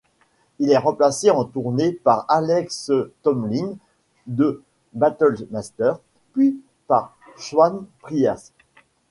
Il est remplacé en tournée par Alex Tomlin de Battlemaster, puis par Shawn Priest.